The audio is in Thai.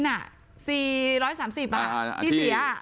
๔๓๐บาทที่เสีย